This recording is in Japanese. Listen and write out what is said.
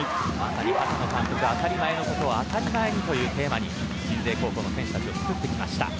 当たり前のことを当たり前にというテーマが鎮西高校の選手たちをつくってきました。